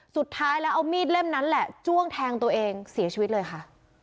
สุดท้ายแล้วเอามีดเล่มนั้นแหละจ้วงแทงตัวเองเสียชีวิตเลยค่ะ